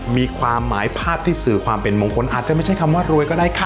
มีความหมายภาพที่สื่อความเป็นมงคลอาจจะไม่ใช่คำว่ารวยก็ได้ค่ะ